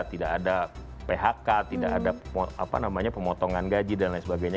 tidak ada phk tidak ada pemotongan gaji dan lain sebagainya